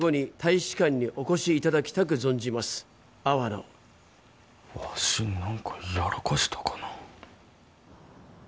うんわし何かやらかしたかな